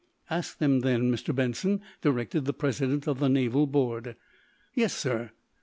"Ask them, then, Mr. Benson," directed the president of the naval board. "Yes, sir.